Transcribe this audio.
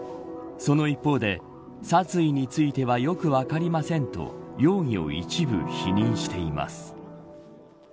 その一方で、殺意についてはよく分かりませんと容疑を一部否認しています。